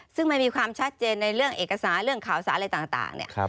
ซึ่งมันมีความชัดเจนในเรื่องเอกสารเรื่องข่าวสารอะไรต่างเนี่ย